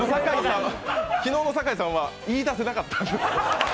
昨日の酒井さんは、言いだせなかった。